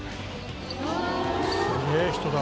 「すげえ人だ」